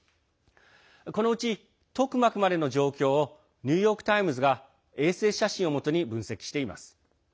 このうち、トクマクまでの状況をニューヨーク・タイムズが衛星写真をもとに分析しています。